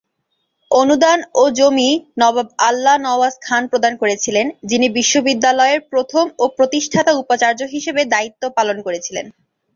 অনুদান ও জমি নবাব আল্লাহ নওয়াজ খান প্রদান করেছিলেন, যিনি বিশ্ববিদ্যালয়ের প্রথম ও প্রতিষ্ঠাতা উপাচার্য হিসাবে দায়িত্ব পালন করেছিলেন।